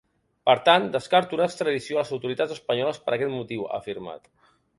Per tant, descarto una extradició a les autoritats espanyoles per aquest motiu, ha afirmat.